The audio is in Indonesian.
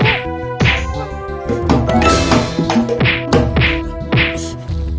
ya ampun ampun